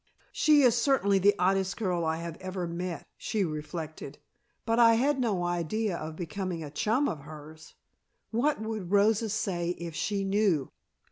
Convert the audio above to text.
"She is certainly the oddest girl I have ever met," she reflected. "But I had no idea of becoming a chum of hers. What would Rosa say if she knew?"